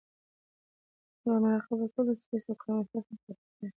مراقبه کوي , د سټرېس کار او منفي خلک پاتې کړي